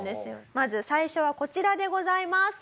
まず最初はこちらでございます。